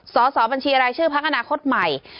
สสบัญชีอะไรชื่อพักอนาคตใหม่